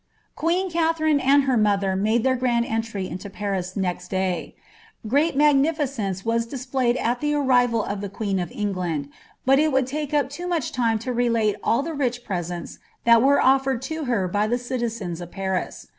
"Qneen Kaiherine and her mother made their gretid pntry iiHo P»* 'Xt day. Great magnjticence was displayed at ihe arrival of Um ^mM of England, but it would take up too much time lo relaio all Hi* ilct presents that were oflered to her by the citizens of Paris.